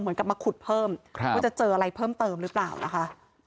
เหมือนกับมาขุดเพิ่มว่าจะเจออะไรเพิ่มเติมหรือเปล่านะคะ